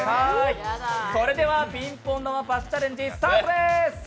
それでは、ピンポン玉パスチャレンジスタートです！